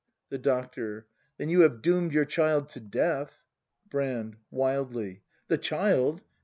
The Doctor. Then you have doom'd your child to death. Brand. [Wildly.] The child!